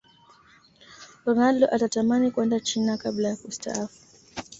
ronaldo atatamani kwenda china kabla ya kustaafu